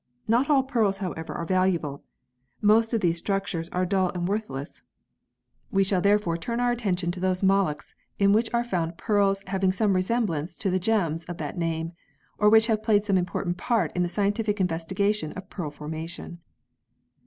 Not all pearls however are valuable. Most of these structures are dull and worthless. We shall therefore turn our attention to those molluscs in which are found 12 PEARLS [CH. pearls having some resemblance to the gems of that name, or which have played some important part in the scientific investigation of pearl formation.